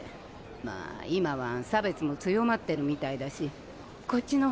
まあ今は差別も強まってるみたいだしこっちのほうが安全かもね。